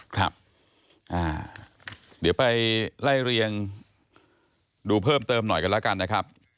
ครับเดี๋ยวไปไล่เรียงดูเพิ่มเติมหน่อยกันแล้วกันนะครับ